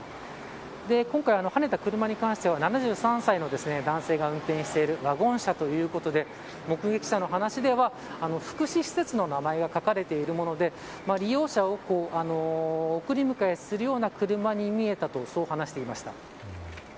今回はねた車に関しては７３歳の男性が運転しているワゴン車ということで目撃者の話では福祉施設の名前が書かれているもので利用者を送り迎えするような車に見えたと話していました。